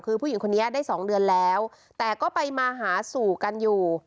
คือผู้หญิงคนนี้ได้สองเดือนแล้วแต่ก็ไปมาหาสู่กันอยู่